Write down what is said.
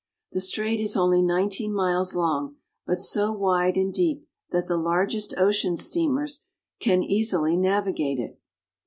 The strait is only nineteen miles long, but so wide and deep that the largest ocean steamers can easily navigate it.